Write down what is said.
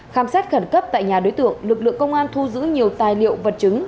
khám xét khẩn cấp tại nhà đối tượng lực lượng công an thu giữ nhiều tài liệu vật chứng